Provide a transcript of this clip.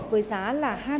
với giá là một năm tỷ đồng